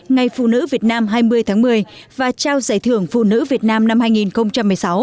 ngày phụ nữ việt nam hai mươi tháng một mươi và trao giải thưởng phụ nữ việt nam năm hai nghìn một mươi sáu